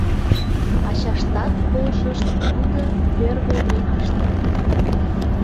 Ачаштат полшышт тудо пӧрвый времаште.